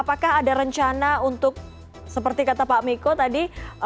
apakah ada rencana untuk seperti kata pak miko tadi